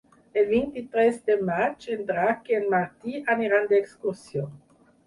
El vint-i-tres de maig en Drac i en Martí aniran d'excursió.